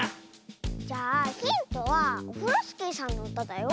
じゃあヒントはオフロスキーさんのうただよ。